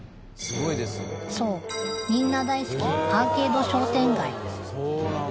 そうみんな大好きアーケード商店街